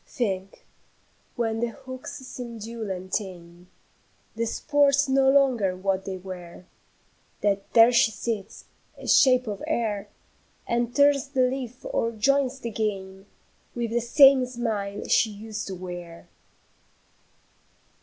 "Think, when the hooks seem dull and tame, The sports no longer what they were, That there she sits, a shape of air, And turns the leaf or joins the game With the same smile she used to wear.